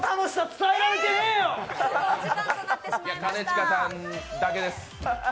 兼近さんだけです。